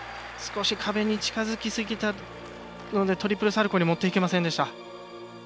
少し壁に近づきすぎたのでトリプルサルコーに持っていけませんでした。